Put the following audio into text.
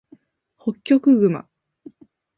ホッキョクグマ